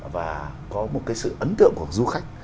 và có một cái sự ấn tượng của du khách